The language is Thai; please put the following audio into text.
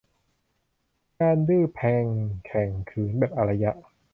การดื้อแพ่งแข็งขืนแบบอารยะ